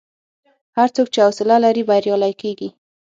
هر څوک چې حوصله لري، بریالی کېږي.